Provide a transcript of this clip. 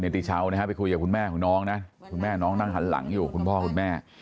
ติชาวนะฮะไปคุยกับคุณแม่ของน้องนะคุณแม่น้องนั่งหันหลังอยู่คุณพ่อคุณแม่